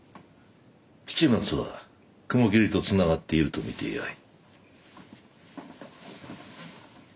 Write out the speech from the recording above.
七松は雲霧とつながっていると見てよい。